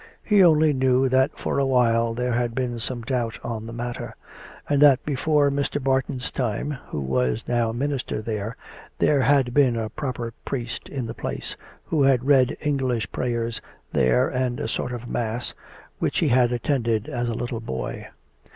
He only knew that for a while there had been some doubt on the matter; and that before Mr. Barton's time, who was now minister there, there had been a proper priest in the place, who had read English prayers there and a sort of a mass, which he had attended as a little boy.